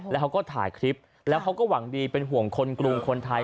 แล้วเขาก็ถ่ายคลิปแล้วเขาก็หวังดีเป็นห่วงคนกรุงคนไทย